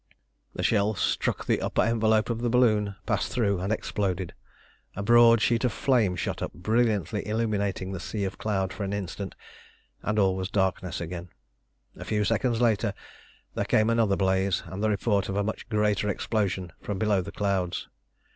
The shell struck the upper envelope of the balloon, passed through, and exploded. A broad sheet of flame shot up, brilliantly illuminating the sea of cloud for an instant, and all was darkness again. A few seconds later there came another blaze, and the report of a much greater explosion from below the clouds.